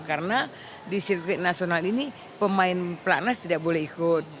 karena di sirkuit nasional ini pemain pelatnas tidak boleh ikut